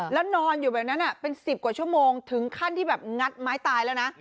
แล้วนอนอยู่แบบนั้นเป็น๑๐กว่าชั่วโมงถึงขั้นที่แบบงัดไม้ตายแล้วนะ